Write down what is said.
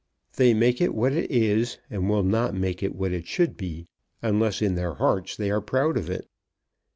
They make it what it is, and will not make it what it should be, unless in their hearts they are proud of it.